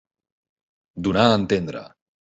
Donar a entendre.